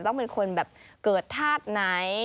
ต้องเป็นคนแบบเกิดธาตุไหน